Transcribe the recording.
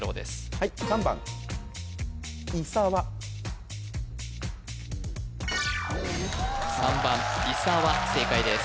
はい３番いさわ正解です